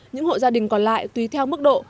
những hộ gia đình còn lại tùy theo mức độ